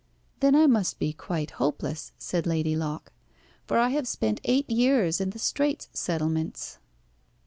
"Then I must be quite hopeless," said Lady Locke, "for I have spent eight years in the Straits Settlements."